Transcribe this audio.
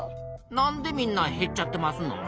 なんでみんなへっちゃってますのん？